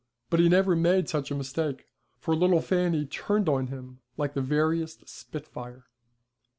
But he never made such a mistake, for little Fanny turned on him like the veriest spitfire.